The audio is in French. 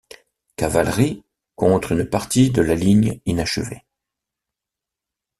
Cavalry contre une partie de la ligne inachevée.